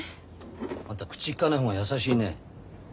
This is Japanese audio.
あんた口きかない方が優しいね。